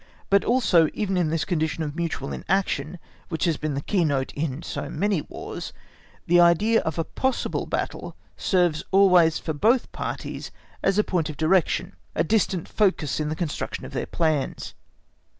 But also, even in this condition of mutual inaction which has been the key note in so many Wars, the idea of a possible battle serves always for both parties as a point of direction, a distant focus in the construction of their plans.